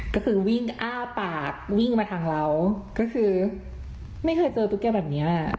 ก็คือวิ่งอ้าปากวิ่งมาทางเราก็คือไม่เคยเจอตุ๊กแกแบบนี้